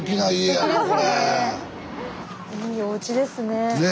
いいおうちですね。